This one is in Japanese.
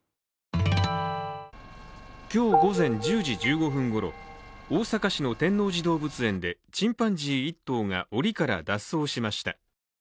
今日午前１０時１５分ごろ、大阪市の天王寺動物園でチンパンジー１頭がおりから脱走しました。